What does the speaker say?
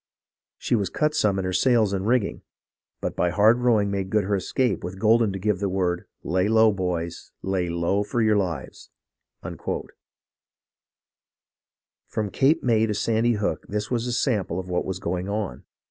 She was cut some in her sails and rigging, but by hard rowing made good her escape, with Goldin to give the word, ' Lay low, boys ! lay low, for your lives !'" From Cape May to Sandy Hook this was a sample of what was going on.